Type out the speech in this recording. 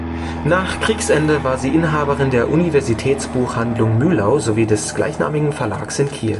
Nach Kriegsende war sie Inhaberin der Universitätsbuchhandlung Mühlau sowie des gleichnamigen Verlags in Kiel.